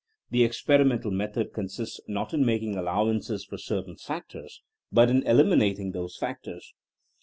The experimental method consists not in making allowances for certain factors, but in eliminating those factors.